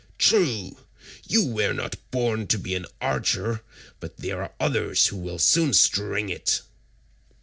True, you were not born to be an archer, but there are others who will soon string it."